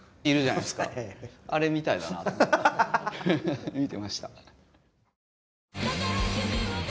あれみたいだなと見てました。